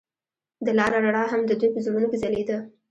د لاره رڼا هم د دوی په زړونو کې ځلېده.